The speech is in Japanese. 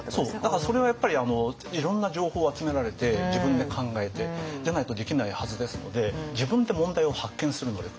だからそれはやっぱりいろんな情報を集められて自分で考えてじゃないとできないはずですので自分で問題を発見する能力。